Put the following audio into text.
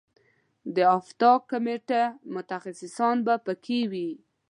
د افتا کمیټه متخصصان به په کې وي.